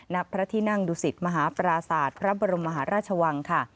ณพระที่นั่งดุสิตมหาปราศาสตร์พระบรมมหาราชวังค่ะ